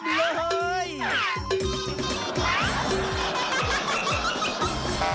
บอกเลยว่า